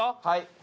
はい。